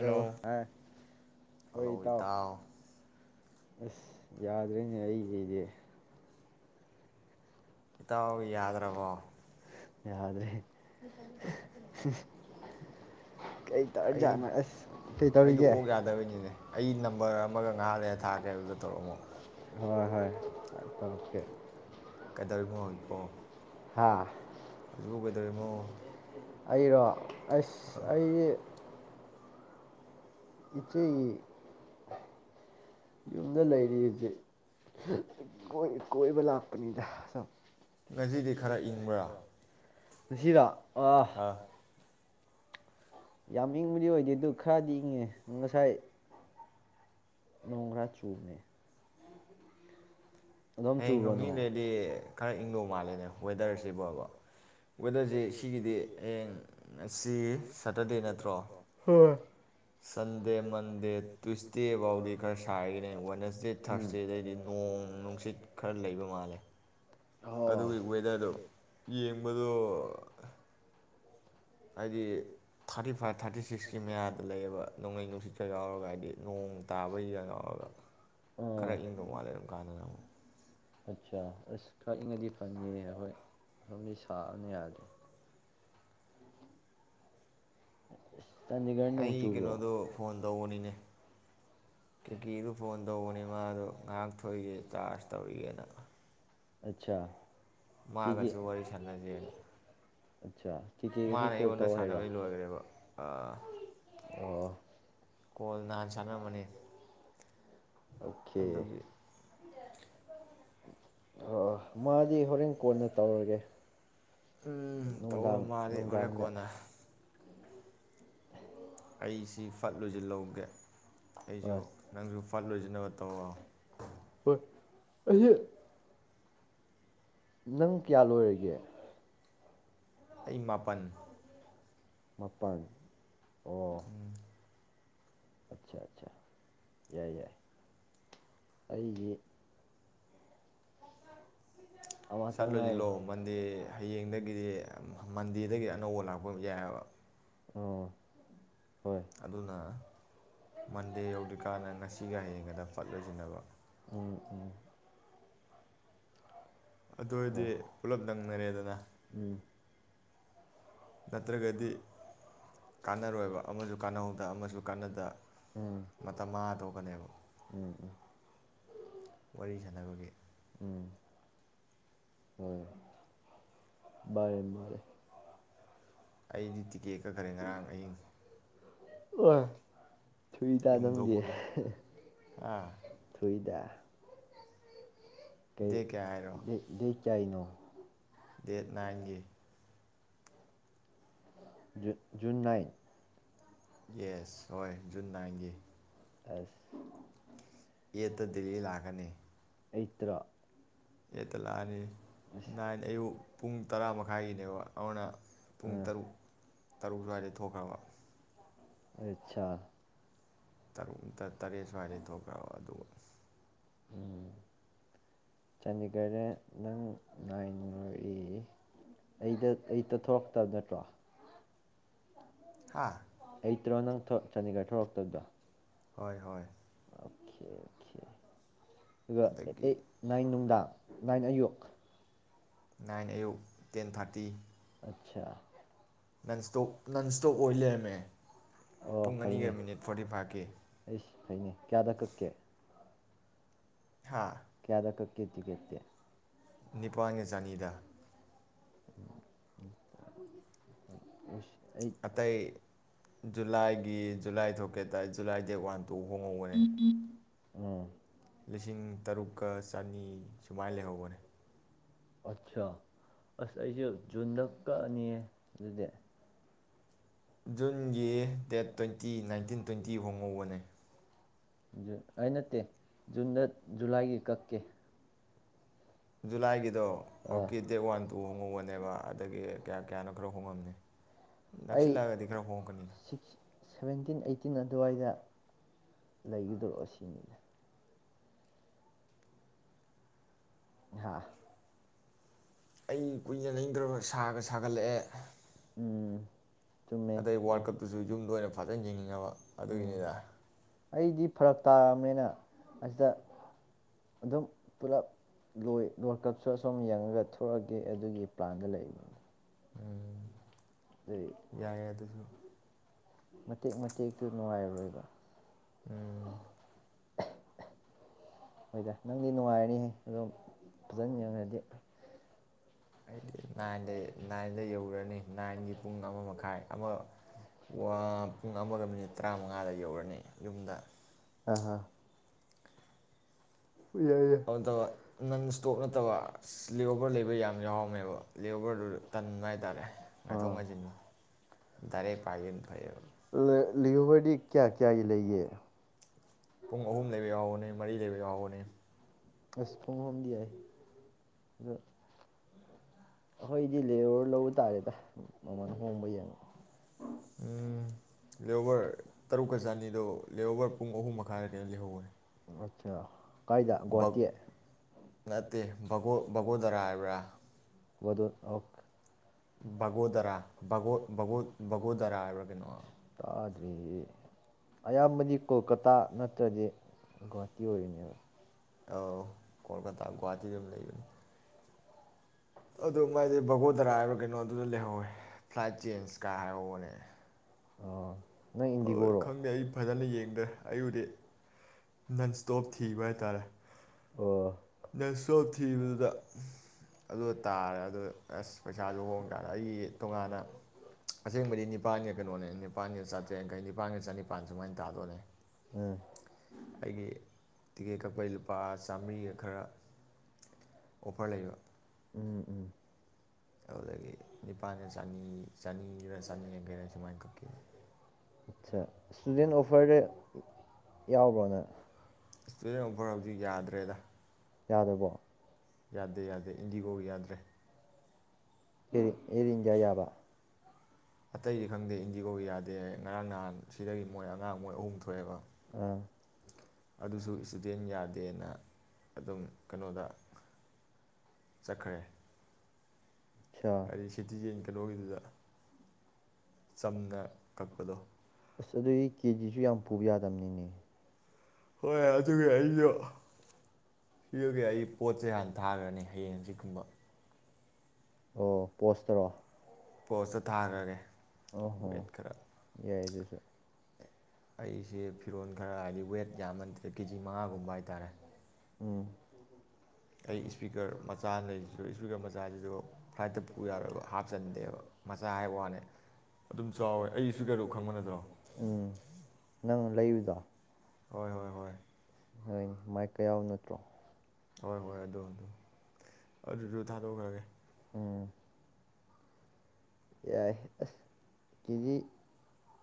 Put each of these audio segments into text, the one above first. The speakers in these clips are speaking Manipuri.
ꯂꯣ ꯍꯥꯏ ꯍꯣꯏ ꯏꯇꯥꯎ ꯑꯁ ꯌꯥꯗ꯭ꯔꯦꯅꯦ ꯑꯩꯁꯤꯗꯤ ꯏꯇꯥꯎ ꯌꯥꯗ꯭ꯔꯥꯕꯣ ꯌꯥꯗ꯭ꯔꯦ ꯍꯦ ꯀꯩꯇꯧꯔ ꯖꯥꯠꯂꯣ ꯑꯁ ꯀꯩꯇꯧꯔꯤꯒꯦ ꯕꯔ ꯑꯃꯥꯒ ꯉꯥꯍꯛ ꯂꯩꯔ ꯊꯥꯔꯛꯀꯦ ꯑꯗꯨꯗ ꯇꯧꯔꯝꯃꯣ ꯍꯣꯏ ꯍꯣꯏ ꯇꯧ ꯀꯦ ꯀꯩꯗꯧꯕꯩꯅꯣ ꯍꯧꯖꯤꯛꯐꯥꯎ ꯍꯥ ꯍꯧꯖꯤꯛꯄꯨ ꯀꯩꯇꯧꯔꯤꯃꯣ ꯑꯩꯔꯣ ꯑꯁ ꯑꯩ ꯏꯆꯦ ꯌꯨꯝꯗ ꯂꯩꯔꯤꯌꯦ ꯏꯆꯦ ꯍ ꯀꯣꯏ ꯀꯣꯏꯕ ꯂꯥꯛꯄꯅꯤꯗ ꯁꯨꯝ ꯉꯖꯤꯗꯤ ꯈꯔ ꯏꯡꯕ꯭ꯔꯥ ꯉꯁꯤꯔꯣ ꯑꯥ ꯌꯥꯝ ꯏꯪꯕꯗꯤ ꯑꯣꯏꯗꯦ ꯗꯨ ꯈ꯭ꯔꯗꯤ ꯏꯪꯉꯦ ꯉꯁꯥꯏ ꯅꯣꯡ ꯈꯔ ꯆꯨꯕꯅꯦ ꯍꯌꯦꯡ ꯅꯣꯡ ꯅꯤ ꯅꯤ ꯂꯩꯔꯗꯤ ꯈꯔ ꯏꯡꯗꯣ ꯃꯥꯜꯂꯦꯅꯦ ꯋꯦꯗꯔꯁꯤꯕꯣꯕ ꯋꯦꯗꯔꯁꯦ ꯁꯤꯒꯤꯗꯤ ꯍꯌꯦꯡ ꯉꯁꯤ ꯁꯇꯔꯗꯦ ꯅꯠꯇ꯭ꯔꯣ ꯁꯟꯗꯦ ꯃꯟꯗꯦ ꯇꯨꯏꯁꯗꯦ ꯗꯦ ꯕꯥꯎꯗꯤ ꯈꯔ ꯁꯥꯌꯦꯅꯦ ꯋꯦꯗꯅꯁꯗꯦ ꯊꯔꯁꯗꯦ ꯗꯩꯗꯤ ꯅꯣꯡ ꯅꯨꯁꯤꯠ ꯈꯔ ꯂꯩꯕ ꯃꯥꯂꯦ ꯑꯗꯨꯒꯤ ꯋꯦꯗꯔꯗꯨ ꯌꯦꯕꯗꯣ ꯍꯥꯏꯗꯤ ꯊꯥꯔꯇꯤꯐꯥꯞ ꯊꯥꯔꯇꯤꯁꯤꯛꯁꯀꯤ ꯃꯌꯥꯗ ꯂꯩꯌꯦꯕ ꯅꯣꯡꯂꯩ ꯅꯨꯡꯁꯤꯠꯀ ꯌꯥꯎꯔꯒꯗꯤ ꯅꯣꯡ ꯅꯣꯡ ꯇꯥꯕꯩ ꯌꯥꯎꯑꯦꯕ ꯈꯔ ꯏꯡꯗꯣ ꯃꯥꯂꯦ ꯑꯗꯨꯝ ꯀꯥꯟꯗꯅ ꯑꯃꯨꯛ ꯑꯠꯁꯥ ꯑꯁ ꯈꯔ ꯏꯡꯉꯗꯤ ꯐꯅꯤꯌꯦ ꯑꯍꯣꯏ ꯁꯣꯝꯗꯤ ꯁꯥꯕꯅ ꯌꯥꯗ꯭ꯔꯦ ꯑ ꯏꯁ ꯑꯩ ꯀꯩꯅꯣꯗꯨ ꯐꯣꯟ ꯇꯧꯕꯅꯤꯅꯦ ꯀꯦꯀꯦꯗꯨ ꯐꯣꯟ ꯇꯧꯕꯅꯦ ꯃꯥꯗꯨ ꯉꯍꯥꯛ ꯊꯣꯛꯎꯏꯒꯦ ꯆꯥꯔꯁ ꯇꯧꯔꯨꯏꯒꯦ ꯅ ꯑꯠꯁꯥ ꯃꯥꯒꯁꯦ ꯋꯥꯔꯤ ꯁꯥꯅꯁꯦꯅ ꯃꯥꯅ ꯑꯩꯉꯣꯟꯗ ꯁꯥꯟꯅꯕꯗꯤ ꯂꯣꯏꯒ꯭ꯔꯦꯕ ꯑ ꯑꯣꯀꯦ ꯍ ꯃꯥꯗꯤ ꯍꯣꯔꯦꯟ ꯀꯣꯟꯅ ꯇꯧꯔꯒꯦ ꯅꯨꯡꯗꯥꯡ ꯅꯨꯡꯗꯥꯡꯗ ꯑꯩꯁꯤ ꯐꯠ ꯂꯣꯏꯖꯤꯜꯂꯧꯒꯦ ꯑꯩꯖꯨ ꯅꯪꯖꯨ ꯐꯠ ꯂꯣꯏꯖꯤꯟꯅꯕ ꯇꯧꯔꯣ ꯑꯁꯤ ꯅꯪ ꯀꯌꯥ ꯂꯣꯏꯔꯒꯦ ꯃꯥꯄꯟ ꯃꯥꯄꯟ ꯑꯣ ꯑꯠꯁꯥ ꯑꯠꯁꯥ ꯌꯥꯏ ꯌꯥꯏ ꯑꯩꯒꯤ ꯁꯠ ꯂꯣꯏꯖꯤꯜꯂꯣ ꯃꯟꯗꯦ ꯍꯌꯦꯗꯒꯤꯗꯤ ꯃꯟꯗꯦꯗꯒꯤꯗꯤ ꯑꯅꯧꯕ ꯂꯥꯛꯄ ꯌꯥꯏꯕ ꯑꯣ ꯑꯗꯨꯅ ꯃꯟꯗꯦ ꯌꯧꯗ꯭ꯔꯤꯀꯥꯟꯗ ꯉꯁꯤꯒ ꯍꯌꯦꯡꯒꯗ ꯐꯠ ꯌꯣꯏꯁꯤꯟꯅꯕ꯫ ꯎꯝ꯫ ꯑꯗꯨꯑꯣꯗꯤ ꯄꯨꯂꯞ ꯅꯪꯅꯔꯦꯗꯅ꯫ ꯅꯥꯠꯇꯔꯒꯗꯤ ꯀꯅꯥꯔꯣꯏꯕ ꯑꯃꯁꯨ ꯀꯅꯥꯍꯧꯗ ꯑꯃꯁꯨ ꯀꯅꯗ ꯎꯝ ꯎꯝ ꯎꯝ ꯎꯝ꯫ ꯍꯣꯢ ꯃꯥꯟꯅꯦ ꯃꯥꯟꯅꯦ꯫ ꯑꯩꯗꯤ ꯇꯤꯀꯦꯠ ꯀꯛꯈ꯭ꯔꯦ ꯉꯔꯥꯡ ꯑꯍꯤꯡ꯫ ꯑꯥ꯫ ꯊꯨꯏꯗ ꯅꯪꯗꯤ [inaudible] [unintelligible] ꯀꯌꯥꯏꯅꯣ ꯗꯦꯠ ꯅꯥꯏꯟꯒꯤ ꯖꯨ ꯖꯨꯟ ꯅꯥꯏꯟ꯫ ꯌꯦꯁ꯫ ꯍꯣꯏ ꯖꯨꯟ ꯅꯥꯏꯟ ꯒꯤ꯫ ꯑꯁ ꯗꯦꯠ ꯇꯣꯏꯟꯇꯤꯗ ꯂꯥꯛꯀꯅꯤ꯫ ꯑꯥꯢꯇ ꯇꯔꯣ꯫ ꯑꯥꯏꯇ ꯇ ꯂꯥꯛꯑꯅꯤ ꯅꯥꯏꯟ ꯑꯌꯨꯛ ꯄꯨꯡ ꯇꯔꯥꯃꯈꯥꯏꯒꯤꯅꯦꯕ ꯑꯗꯨꯅ ꯄꯨꯡ ꯇꯔꯨꯛ ꯇꯔꯨꯛ ꯁ꯭ꯋꯥꯏꯗꯒꯤ ꯊꯣꯛꯈ꯭ꯔꯕ ꯑꯠꯁꯥ꯫ ꯇꯔꯨꯛ ꯅꯠꯇ꯭ꯔꯒ ꯇꯔꯦꯠ ꯁ꯭ꯋꯥꯏꯗꯒꯤ ꯊꯣꯛꯈ꯭ꯔꯕ ꯑꯗꯨ ꯎꯝ ꯆꯥꯟꯗꯤꯒꯔꯗ ꯅꯪ ꯅꯣꯏꯒꯤ ꯀꯩꯗ ꯀꯩꯗ ꯊꯣꯛꯇꯕ ꯅꯠꯇ꯭ꯔꯣ꯫ ꯍꯥ ꯅꯪ ꯊꯣ ꯆꯥꯟꯗꯤꯒ꯭ꯔ ꯊꯣꯔ꯭ꯛꯇꯕꯗꯢ꯫ ꯍꯣꯏ ꯍꯣꯏ꯫ ꯑꯣꯛꯈꯦ ꯑꯣꯛꯈꯦ ꯫ ꯑꯗꯨ ꯑ ꯅꯥꯏꯟ ꯅꯨꯡꯗꯥꯡ꯫ ꯅꯥꯏꯟ ꯑꯌꯨꯛ ꯫ ꯅꯥꯏꯟ ꯑꯌꯨꯛ ꯫ Ten thirty. ꯑꯠꯁꯥ꯫ ꯅꯟ ꯁꯇꯣꯞ ꯅꯟ ꯁꯇꯣꯞ ꯑꯣꯏ ꯂꯩꯔꯝꯃꯦ ꯑꯣ ꯐꯩꯅꯦ ꯑꯩꯁ ꯐꯩꯅꯦ ꯀꯌꯥꯗ ꯀꯛꯀꯦ꯫ ꯀꯌꯥꯗ ꯀꯛ [unintelligible] ꯅꯤꯄꯥꯟ ꯒ ꯆꯅꯤꯗ [unintelligible] ꯑꯇꯩ ꯖꯨꯂꯥꯏꯒꯤ ꯖꯨꯂꯥꯏ ꯊꯣꯛꯀꯦ ꯍꯥꯏꯇꯥꯗꯤ ꯖꯨꯂꯥꯏ ꯗꯦꯇ ꯋꯥꯟ ꯇꯨ ꯑꯗꯥꯏ ꯍꯣꯡꯍꯧꯕꯅꯤ ꯎꯝ ꯂꯤꯁꯤꯡ ꯇꯔꯨꯛꯀ ꯆꯅꯤ ꯁꯨꯃꯥꯏ ꯂꯩꯍꯧꯕꯅꯦ ꯑꯠꯁ ꯑꯁ ꯑꯩꯗꯤ ꯖꯨꯟꯗ ꯀꯛꯑꯅꯤꯌꯦ ꯑꯗꯨꯗꯤ ꯖꯨꯟꯒꯤ ꯗꯦꯠ ꯇꯣꯟꯇꯤ-ꯅꯥꯏꯟꯇꯤꯟ-ꯇꯣꯏꯟꯇꯤ ꯍꯣꯡꯍꯧꯕꯅꯦ ꯑꯦ ꯅꯠꯇꯦ ꯖꯨꯟꯗ ꯖꯨꯂꯥꯏꯒꯤ ꯀꯛꯀꯦ ꯖꯨꯂꯥꯏ ꯒꯤꯗꯣ ꯗꯦꯠ ꯋꯥꯟ ꯇꯨ ꯍꯣꯡꯍꯧꯕꯅꯦꯕ ꯑꯩ ꯁꯤꯛꯁ ꯁꯚꯦꯟꯇꯤꯟ ꯑꯩꯇꯤꯟ ꯇꯤꯟ ꯑꯗꯨꯋꯥꯏꯗ ꯂꯩꯕꯗꯣ ꯑꯁꯤꯅꯤꯗ ꯍꯥ ꯑꯩ ꯀꯨꯏꯅ ꯂꯩꯅꯤꯡꯇ꯭ꯔꯕ ꯁꯥꯒ-ꯁꯥꯒꯠꯂꯛ ꯑꯦ ꯆꯨꯝꯃꯦ ꯎꯝ ꯑꯩꯒꯤ ꯐꯔꯛ ꯇꯥꯔꯝꯅꯤꯅ ꯑꯁꯤꯗ ꯑꯗꯨꯝ ꯄꯨꯂꯞ ꯂꯣꯏ ꯋ꯭ꯔꯥꯜ ꯀꯞꯁꯨ ꯑꯁꯣꯝꯗ ꯌꯦꯡꯉꯒ ꯄꯣꯔꯗꯤ ꯑꯗꯨꯒꯤ ꯄ꯭ꯂꯥꯟꯗ ꯂꯩ ꯌꯥꯏꯌꯦ ꯑꯗꯨꯁꯨ ꯃꯇꯦꯛ-ꯃꯇꯦꯛꯇꯨ ꯅꯨꯉꯥꯏꯔꯣꯏꯕ ꯎꯝ ꯍꯣꯏꯗ ꯅꯪꯗꯤ ꯅꯨꯉꯥꯏꯔꯥꯅꯤꯍꯦ ꯑꯗꯨꯝ ꯐꯖꯟ ꯌꯦꯡꯂꯗꯤ ꯑꯩꯗꯤ ꯅꯥꯏꯟꯗ-ꯅꯥꯏꯟꯗ ꯌꯧꯔꯅꯤ ꯅꯥꯏꯟꯒꯤ ꯄꯨꯡ ꯑꯃ ꯃꯈꯥꯏ ꯑꯃ ꯋꯥ ꯄꯨꯡ ꯑꯃꯒ ꯃꯤꯅꯠ ꯇꯥꯔꯃꯉꯥꯗ ꯌꯧꯔꯅꯤ ꯌꯨꯝꯗ ꯍꯥ-ꯍꯥ [unintelligible] ꯅꯟꯁꯇꯣꯞ ꯅꯠꯇꯕ ꯑꯁ ꯂꯦꯑꯣꯕ꯭ꯔ ꯂꯩꯕ ꯌꯥꯝ ꯌꯥꯎꯔꯕꯅꯦꯕ ꯂꯦꯑꯣꯕ꯭ꯔꯗꯣ ꯇꯟꯕ ꯍꯥꯏꯇꯥꯔꯦꯉꯥꯏꯊꯣꯛ ꯉꯥꯏꯁꯤꯟ ꯗꯥꯏꯔꯦꯛ ꯄꯥꯏꯒꯤꯝꯅ ꯐꯩꯌꯦꯕ ꯂꯦꯑꯣꯕꯔꯗꯤ ꯀꯌꯥ ꯀꯌꯥꯒꯤ ꯂꯩꯒꯦ ꯄꯨꯡ ꯑꯍꯨꯝ ꯂꯩꯕ ꯌꯥꯎꯕꯅꯦ ꯃꯔꯤ ꯂꯩꯕ ꯌꯥꯎꯕꯅꯦ ꯑꯁ ꯄꯨꯡ ꯑꯍꯨꯝꯗꯤ ꯌꯥꯏ ꯑꯗꯣ ꯑꯈꯣꯏꯗꯤ ꯂꯦꯑꯣꯕꯔ ꯂꯧꯕ ꯇꯥꯔꯦꯗ ꯃꯃꯟ ꯑꯍꯣꯡꯕ ꯌꯦꯡꯉꯣ ꯂꯦꯑꯣꯕꯔ ꯇꯥꯔꯨꯛꯀ ꯆꯅꯤꯗꯣ ꯂꯦꯑꯣꯕꯔ ꯄꯨꯡ ꯑꯍꯨꯝ ꯃꯈꯥꯏꯗ ꯂꯩꯍꯧꯕꯅꯦ ꯆꯌꯥ ꯚꯛ ꯅꯠꯇꯦ ꯚꯒꯣ ꯚꯒꯣꯗꯥꯔꯥ ꯍꯥꯏꯕꯔ ꯋꯥꯗꯨꯔ ꯑꯣꯛ ꯚꯒꯣꯗꯔꯥ ꯚꯒꯣꯗꯥꯔꯥ ꯍꯥꯏꯕꯔ ꯑꯁ ꯇꯥꯗꯦ ꯑꯌꯥꯝꯕꯗꯤ ꯀꯣꯜꯀꯇꯥ ꯅꯠꯇ꯭ꯔꯗꯤ ꯒꯨꯍꯥꯇꯤ ꯑꯣꯏꯒꯅꯤꯕ ꯑꯣ ꯀꯣꯜꯀꯥꯇꯥ ꯒꯨꯍꯥꯇꯤꯗꯤ ꯑꯗꯨꯝ ꯂꯩꯕꯅꯦ ꯑꯗꯣ ꯃꯥꯏꯗꯤ ꯚꯥꯒꯣꯗꯥꯔꯥ ꯍꯥꯏꯕ꯭ꯔ ꯀꯩꯅꯣ ꯑꯗꯨꯗ ꯂꯩꯍꯧꯔꯦ ꯐ꯭ꯂꯥꯏꯠ ꯆꯦꯟꯁꯀ ꯍꯥꯏꯍꯧꯕꯅꯦ ꯈꯪꯗꯦ ꯑꯩ ꯐꯖꯟꯅ ꯌꯦꯡꯗꯦ ꯑꯩꯕꯨꯗꯤ ꯅꯟ ꯁꯇꯣꯞ ꯊꯤꯕ ꯍꯥꯏꯇꯔꯦ ꯅꯟ ꯁꯇꯣꯞ ꯊꯤꯕꯗꯨꯗ ꯑꯗꯨꯗꯇ ꯇꯥꯔꯦ ꯑꯗꯨ ꯑꯁ ꯄꯩꯁꯥꯗꯤ ꯍꯣꯡꯗꯦ ꯑꯩ ꯇꯣꯉꯟꯅ ꯑꯁꯦꯡꯕꯗꯤ ꯅꯤꯄꯥꯜꯒ ꯀꯩꯅꯣꯅꯦ ꯅꯤꯄꯥꯜꯒ ꯆꯥ ꯅꯤꯄꯥꯜꯒ ꯆꯥꯅꯤꯄꯥꯜ ꯁꯨꯝꯃꯥꯏꯅ ꯇꯥꯗꯧꯅꯦ ꯑꯩꯒꯤ ꯇꯤꯀꯦꯠ ꯀꯛꯄꯩ ꯂꯨꯄꯥ ꯆꯥꯝꯂꯤꯒ ꯈꯔ ꯑꯣꯐꯔ ꯂꯩꯕ ꯎꯝ ꯎꯝ ꯑꯗꯩ ꯅꯤꯄꯥꯜꯒ ꯆꯥꯅꯤ ꯆꯥꯅꯤꯔ ꯆꯥꯅꯤꯌꯥꯡꯈꯩꯔ ꯀꯛꯈꯤꯕꯅꯦ ꯁꯇꯨꯗꯦꯜ ꯑꯣꯐꯔꯗꯤ ꯌꯥꯕꯔꯣꯅꯦ ꯁꯇꯨꯗꯦꯜ ꯑꯣꯐꯔ ꯍꯧꯖꯤꯛ ꯌꯥꯗꯔꯦꯗ ꯌꯥꯗꯕꯔꯣ ꯌꯥꯗꯦ ꯌꯥꯗꯦ ꯏꯟꯗꯤꯒꯣꯒꯤ ꯌꯥꯗꯔꯦ ꯏꯌꯔ ꯏꯟꯗꯤꯌꯥ ꯌꯥꯕꯔ ꯑꯇꯩꯗꯤ ꯈꯪꯗꯦ ꯏꯟꯗꯤꯒꯣꯗꯤ ꯌꯥꯗꯦ ꯑꯩ [inaudible] ꯁꯤꯗꯩ ꯃꯣꯏ ꯑꯉꯥꯡ ꯑꯍꯨꯝ ꯊꯣꯛꯑꯦꯕ ꯑꯗꯨꯁꯨ ꯏꯁꯇꯨꯗꯦꯟ ꯌꯥꯗꯦꯅ ꯑꯗꯨꯝ ꯀꯩꯅꯣꯗ ꯆꯠꯈꯔꯦ ꯑꯩ ꯁꯤꯇꯤꯖꯦꯟ ꯀꯩꯅꯣꯒꯤꯗꯨꯗ ꯆꯝꯅ ꯀꯛꯄꯗꯣ ꯑꯗꯨꯗꯤ ꯀꯦꯖꯤꯁꯨ ꯌꯥꯝꯄꯨꯕ ꯌꯥꯗꯕꯅꯤꯅꯦ ꯍꯣꯏ ꯑꯗꯨꯒꯤ ꯑꯩꯁꯨ ꯑꯗꯨꯒꯤ ꯑꯩ ꯄꯣꯠ ꯆꯩ ꯍꯥꯟꯅ ꯊꯥꯈꯔꯅꯤ ꯍꯌꯦꯡ ꯍꯪꯆꯤꯠ ꯀꯨꯝꯕ ꯑꯣ ꯄꯂꯁꯇꯥꯔꯣ ꯄꯣꯁꯇ ꯊꯥꯈꯔꯒꯦ ꯑꯣꯍꯣ ꯌꯥꯏ ꯑꯗꯨ [inaudible] ꯑꯩꯁꯦ ꯐꯤꯔꯣꯜ ꯈꯔ ꯍꯥꯏꯗꯤ ꯋꯦꯠ ꯌꯥꯝꯃꯟꯈꯔꯦ ꯀꯦꯖꯤ ꯃꯉꯥꯒꯨꯝꯕ ꯍꯥꯏꯇꯔꯦ ꯎꯝ [inaudible] ꯑꯩ ꯏꯁꯄꯤꯀꯔ ꯃꯆꯥ ꯑꯃ ꯂꯩꯔꯤꯁꯤꯁꯨ ꯏꯁꯄꯤꯀꯔ ꯃꯆꯥꯁꯤꯁꯨ ꯐꯂꯥꯢꯠꯇ ꯄꯨꯕ ꯌꯥꯔꯣꯏꯕ ꯍꯥꯞꯆꯟꯗꯦꯕ ꯃꯆꯥ ꯍꯥꯏ ꯋꯥꯅꯦ ꯑꯗꯨꯝ ꯆꯥꯎꯋꯦ ꯑꯩ ꯏꯁꯄꯤꯀꯔꯗꯣ ꯈꯪꯕ ꯅꯠꯇꯔꯣ ꯂꯩꯕꯗꯣ ꯍꯣꯏ ꯍꯣꯏ ꯍꯣꯏ ꯍꯣꯢ ꯃꯥꯏꯞ ꯀ ꯌꯥꯎꯔꯕ ꯅꯠꯇꯔꯣ ꯍꯣꯢ ꯍꯣꯢ ꯑꯗꯨ ꯑꯗꯨ ꯑꯗꯨꯁꯨ ꯊꯥꯗꯣꯛꯄ ꯈꯔꯒꯦ ꯌꯥꯏ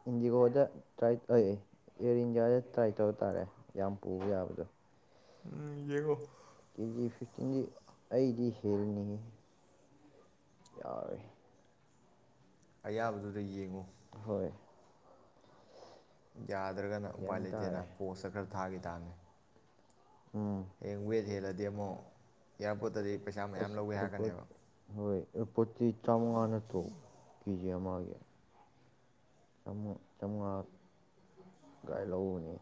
ꯏꯟꯗꯤꯒꯣꯗ ꯇ꯭ꯔꯥꯏ ꯑꯌꯥꯔ ꯏꯟꯗꯤꯌꯥꯗ ꯇ꯭ꯔꯥꯏ ꯇꯧꯕ ꯇꯥꯔꯦ ꯌꯥꯝ ꯄꯨꯕ ꯌꯥꯕꯗ ꯎꯝ ꯌꯦꯡꯉꯣ ꯑꯩꯗꯤ ꯍꯦꯜꯅꯤꯡ ꯏ ꯍꯣꯏ ꯌꯥꯗ꯭ꯔꯥꯒꯅ ꯎꯄꯥꯏ ꯂꯩꯇꯦꯅ ꯄꯣꯁꯇ ꯈꯔ ꯊꯥꯒꯤ ꯇꯥꯕꯅꯦ ꯍꯌꯦꯡ ꯋꯦꯠ ꯍꯦꯜꯂꯥꯗꯤ ꯑꯃꯨꯛ ꯑꯌꯥꯔꯄꯣꯠꯇꯗꯤ ꯄꯩꯁꯥ ꯃꯌꯥꯝ ꯂꯧꯒꯦ ꯍꯥꯏꯔꯛꯀꯥꯅꯤꯕ ꯑꯌꯥꯔꯄꯣꯠꯇꯗꯤ ꯆꯧꯉꯥ ꯅꯠꯇ꯭ꯔꯣ ꯀꯦꯖꯤ ꯑꯃꯒꯤ ꯆꯥ ꯆꯧꯉꯥ ꯒꯥꯏ ꯂꯧꯕꯅꯦ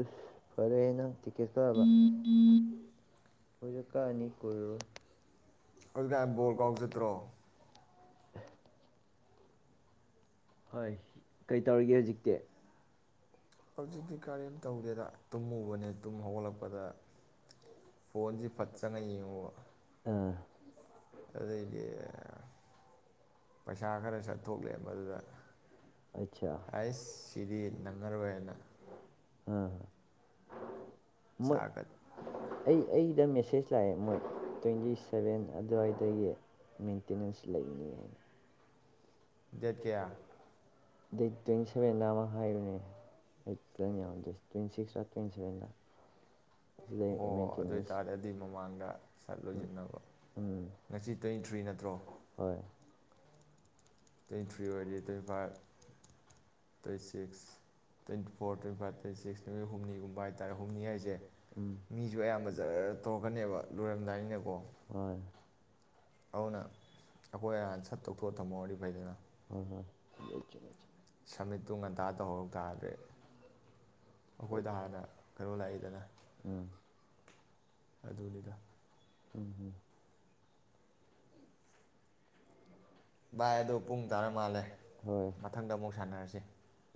ꯎꯁ ꯐꯥꯔꯦꯍꯦ ꯅꯪ ꯇꯤꯀꯦꯠ ꯀꯛꯑꯥꯔꯦꯏ ꯈꯣꯏꯒꯨ ꯀꯛꯑꯥꯅꯤ ꯀꯨꯏꯔꯥꯔꯣꯏ ꯍꯧꯖꯤꯛ ꯀꯥꯟ ꯕꯣꯜ ꯀꯥꯎ ꯆꯠꯇꯔꯣ? [unintelligible] ꯍꯣꯏ ꯀꯩꯗꯧꯔꯤꯒꯦ ꯍꯧꯖꯤꯛꯇꯤ ꯍꯧꯖꯤꯛꯇꯤ ꯀꯥꯔꯤꯝ ꯇꯧꯗꯦꯗꯥ ꯇꯨꯝꯃꯨꯕꯅꯦ ꯇꯨꯝ ꯍꯧꯒꯠ ꯂꯛꯄꯗꯥ ꯑ ꯑꯗꯩꯗꯤ ꯄꯩꯁꯥ ꯈꯔ ꯆꯠꯊꯣꯛ ꯂꯩꯔꯝꯕꯗꯨꯗ ꯍꯩꯏꯁ ꯁꯤꯗꯤ ꯅꯪꯉꯥꯔꯣꯏꯅ ꯆꯥꯒꯥ ꯑꯩ ꯑꯩ ꯃꯦꯁꯦꯖ ꯂꯥꯛꯑꯦ ꯃꯣꯏ ꯇꯣꯏꯇꯤꯁꯥꯕꯦꯟ ꯑꯗꯥꯋꯥꯏꯗꯒꯤ ꯃꯦꯟꯇꯦꯟꯅꯦꯁ ꯂꯩꯒꯅꯤ ꯍꯥꯏꯅ [unintelligible] ꯗꯦꯠ ꯇꯣꯏꯇꯤꯁꯥꯕꯦꯟ ꯗꯥ ꯑꯃ ꯍꯥꯏꯕꯅꯦ ꯑꯩ ꯐꯖꯅ ꯌꯦꯡꯉꯝꯗꯦ ꯇꯣꯏꯇꯤꯁꯥꯛꯂꯥ ꯇꯣꯏꯇꯤꯁꯥꯕꯦꯟ ꯂꯥ ꯑꯃ ꯑꯣ ꯑꯗꯨꯑꯣꯏ ꯇꯥꯔꯥꯗꯤ ꯑꯗꯨꯏ ꯃꯃꯥꯡꯗ ꯆꯠꯂꯨꯖꯤꯅꯀꯣ ꯉꯁꯤ ꯇꯣꯏꯇꯤꯊ꯭ꯔꯤ ꯅꯠꯇ꯭ꯔꯣ? ꯎꯝꯍꯣꯏ ꯑꯗꯨꯅ ꯑꯩꯈꯣꯏ ꯍꯥꯟꯅ ꯁꯠ ꯇꯧꯊꯣꯛꯑ ꯊꯝꯍꯧꯔꯗꯤ ꯐꯩꯗꯥꯅ ꯍꯣꯏ ꯍꯣꯏ [unintelligible] ꯑ ꯑꯗꯨꯅꯤꯗꯥ [unintelligible]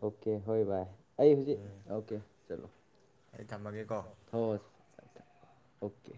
ꯍꯣꯏ ꯀꯦ ꯍꯣꯏ ꯚꯥꯏ ꯑꯩ ꯍꯧꯖꯤꯛ ꯑꯣꯀꯦ ꯆꯠꯂꫭ ꯍꫭꯏ ꯑꯣꯀꯦ